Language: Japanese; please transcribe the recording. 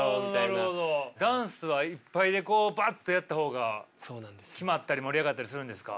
ダンスはいっぱいでこうバッとやった方が決まったり盛り上がったりするんですか？